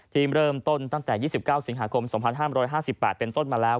เริ่มต้นตั้งแต่๒๙สิงหาคม๒๕๕๘เป็นต้นมาแล้ว